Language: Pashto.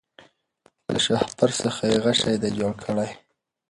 له شهپر څخه یې غشی دی جوړ کړی